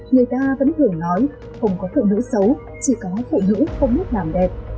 người ta vẫn thường nói không có phụ nữ xấu chỉ có phụ nữ không biết làm đẹp